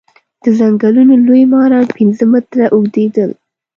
د ځنګلونو لوی ماران پنځه متره اوږديدل.